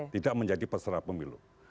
tidak menjadi peserta pemilu